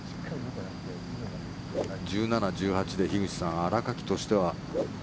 １７、１８で樋口さん新垣としては。